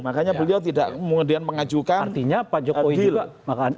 makanya beliau tidak mengajukan